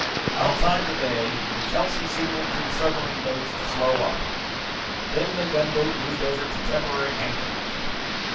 Outside the bay the "Chelsea" signaled to the submarine boats to slow up. Then the gunboat moved over to temporary anchorage.